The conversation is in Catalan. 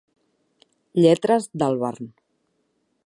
Lletres d'Albarn.